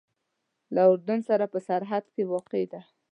له اردن سره په سرحد کې واقع ده.